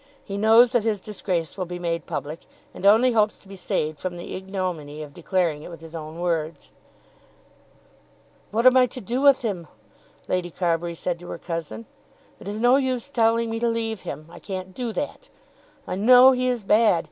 He knows that his disgrace will be made public, and only hopes to be saved from the ignominy of declaring it with his own words. "What am I to do with him?" Lady Carbury said to her cousin. "It is no use telling me to leave him. I can't do that. I know he is bad.